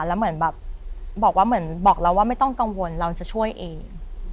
แล้วเหมือนแบบบอกว่าเหมือนบอกเราว่าไม่ต้องกังวลเราจะช่วยเอง